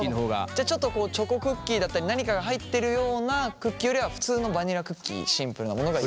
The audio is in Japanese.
じゃあちょっとこうチョコクッキーだったり何かが入っているようなクッキーよりは普通のバニラクッキーシンプルなものが。